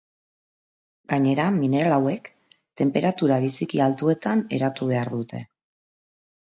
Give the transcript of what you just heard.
Gainera, mineral hauek, tenperatura biziki altuetan eratu behar dute.